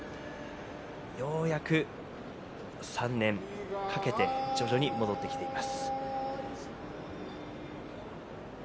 ようやく３年かけて徐々に戻ってきています。